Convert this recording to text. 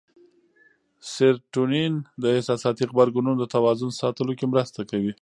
سېرټونین د احساساتي غبرګونونو د توازن ساتلو کې مرسته کوي.